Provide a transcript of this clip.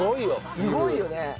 すごいよね。